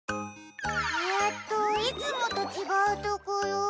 えっといつもとちがうところ。